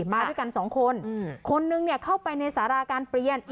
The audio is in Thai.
มาด้วยกันสองคนคนนึงเนี่ยเข้าไปในสาราการเปลี่ยน